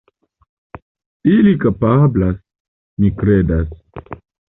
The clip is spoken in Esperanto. Ili kapablas, mi kredas.